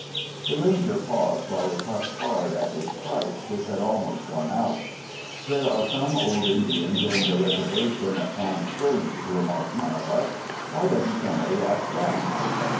The ranger paused while he puffed hard at his pipe which had almost gone out. *' There are some old Indians in the reservation at Palm Springs," remarked one of us; ''why doesn't somebody ask them?"